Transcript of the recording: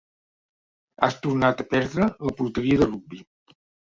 Has tornat a perdre la porteria de rugbi.